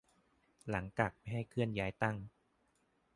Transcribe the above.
หลังกักไม่ให้เคลื่อนย้ายตั้ง